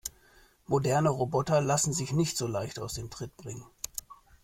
Moderne Roboter lassen sich nicht so leicht aus dem Tritt bringen.